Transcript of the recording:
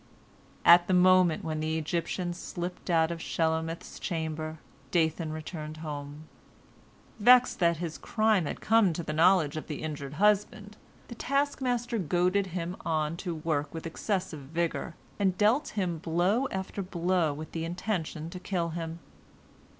At the moment when the Egyptian slipped out of Shelomith's chamber, Dathan returned home. Vexed that his crime had come to the knowledge of the injured husband, the taskmaster goaded him on to work with excessive vigor, and dealt him blow after blow with the intention to kill him.